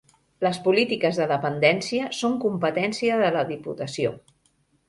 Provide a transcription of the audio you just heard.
Les polítiques de dependència són competència de la Diputació.